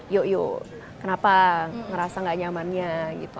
yuk yo kenapa ngerasa gak nyamannya gitu